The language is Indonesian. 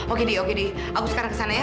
oke di oke di aku sekarang kesana ya